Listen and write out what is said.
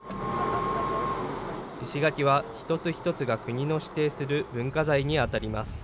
石垣は一つ一つが国の指定する文化財に当たります。